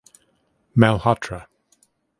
Malhotra.